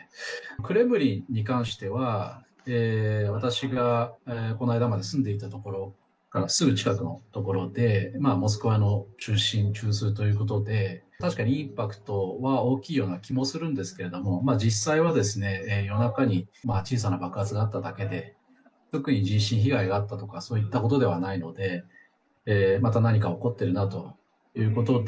クレムリンに関しては、私がこの間まで住んでいた所からすぐ近くの所で、モスクワの中心、中枢ということで、確かにインパクトは大きいような気もするんですけれども、実際は、夜中に小さな爆発があっただけで、特に人身被害があったとか、そういったことではないので、また何か起こってるなということで、